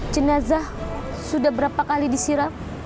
jenazah sudah berapa kali disiram